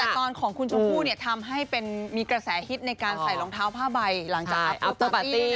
แต่ตอนของคุณชมพู่ทำให้เป็นมีกระแสฮิตในการใส่รองเท้าผ้าใบหลังจากอัพเตอร์ปาร์ตี้